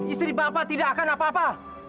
istri bapak tidak akan apa apa